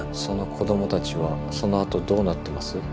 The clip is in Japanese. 「その子供たちはその後どうなってます？」